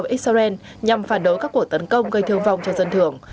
israel nhằm phản đối các cuộc tấn công gây thương vong cho dân thường